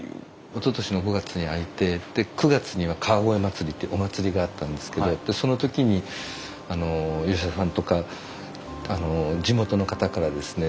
おととしの５月に開いて９月には川越まつりってお祭りがあったんですけどその時に吉田さんとか地元の方からですね